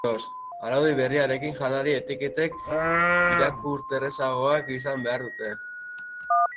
Araudi berriarekin, janari-etiketek irakurterrazagoak izan beharko dute.